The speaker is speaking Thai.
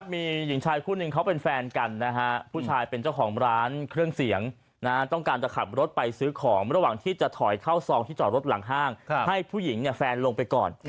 มีหญิงชายคู่หนึ่งเขาเป็นแฟนกันนะฮะผู้ชายเป็นเจ้าของร้านเครื่องเสียงต้องการจะขับรถไปซื้อของระหว่างที่จะถอยเข้าซองที่จอดรถหลังห้างให้ผู้หญิงแฟนลงไปก่อน